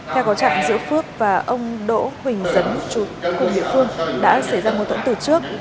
theo có trạng giữa phước và ông đỗ huỳnh dấn trú của địa phương đã xảy ra một tổn tử trước